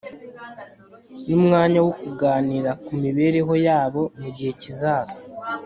n'umwanya wo kuganira ku mibereho yabo mu gihe kizaza